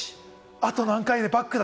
あと何回でバッグだ！